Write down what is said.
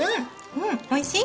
うんおいしい？